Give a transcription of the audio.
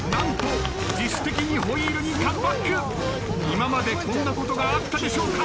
今までこんなことがあったでしょうか？